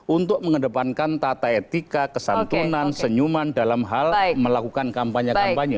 untuk mengedepankan tata etika kesantunan senyuman dalam hal melakukan kampanye kampanye